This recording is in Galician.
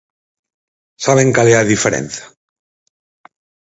Saben cal é a diferenza?